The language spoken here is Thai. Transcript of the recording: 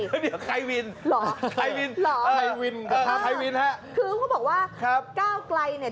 เฮ้ยเดี๋ยวใครวินใครวินครับใครวินครับคือพูดบอกว่าก้าวกลัยเนี่ย